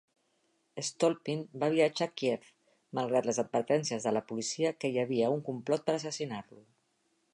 Stolypin va viatjar a Kíev malgrat les advertències de la policia que hi havia un complot per assassinar-lo.